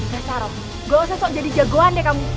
dasar orang gak usah sok jadi jagoan deh kamu